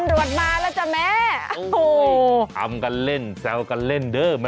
พอคำรวดมาแล้วจ้ะแม่